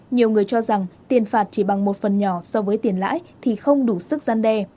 nhiều người cho rằng tiền phạt chỉ bằng một phần nhỏ so với tiền lãi thì không đủ sức gian đe